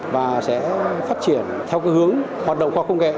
và sẽ phát triển theo hướng hoạt động khoa công nghệ